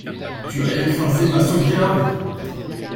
Tu as écrasé ma sauvegarde.